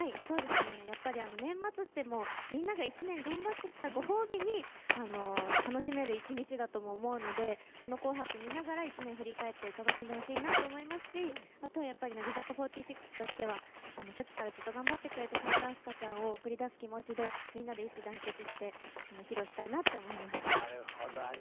年末って、もうみんなが一年頑張ってきたご褒美に楽しめる１日だと思うのでこの「紅白」見ながら１年振り返って楽しんでもらいたいなと思いますしあとは乃木坂４６としては初期からずっと頑張ってくれた齋藤飛鳥ちゃんを送り出す気持ちでみんなで一致団結して披露したいなと思います。